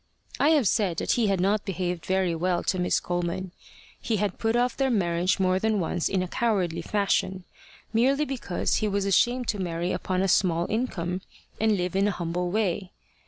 I have said that he had not behaved very well to Miss Coleman. He had put off their marriage more than once in a cowardly fashion, merely because he was ashamed to marry upon a small income, and live in a humble way.